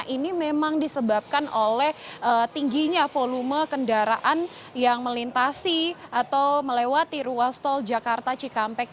ini memang disebabkan oleh tingginya volume kendaraan yang melintasi atau melewati ruas tol jakarta cikampek